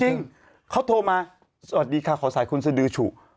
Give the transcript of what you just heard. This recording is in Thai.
จริงเขาโทรมาสวัสดีค่ะขอสายคุณสดือฉุ